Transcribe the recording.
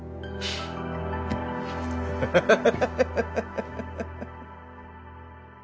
ハハハハハハハ。